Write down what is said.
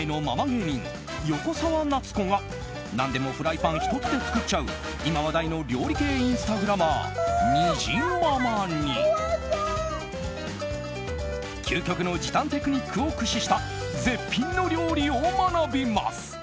芸人横澤夏子が何でもフライパン１つで作っちゃう今話題の料理系インスタグラマーにじままに究極の時短テクニックを駆使した絶品の料理を学びます。